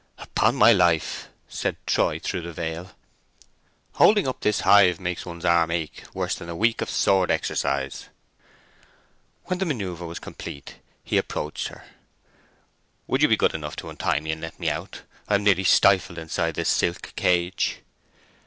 "Upon my life," said Troy, through the veil, "holding up this hive makes one's arm ache worse than a week of sword exercise." When the manœuvre was complete he approached her. "Would you be good enough to untie me and let me out? I am nearly stifled inside this silk cage."